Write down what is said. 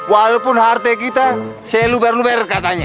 walaupun harte kita seluber luber katanya